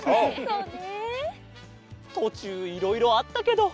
とちゅういろいろあったけど。